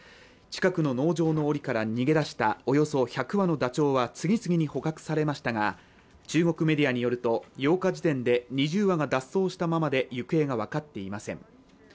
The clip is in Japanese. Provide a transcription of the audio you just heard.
近くの農場のおりから逃げ出してたおよそ１００羽のだちょうは次々に捕獲されましたが中国メディアによると８日時点で２０羽が脱走したままで行方が分かっていません。